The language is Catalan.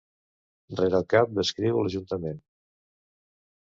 Rere el cap descriu l'ajuntament.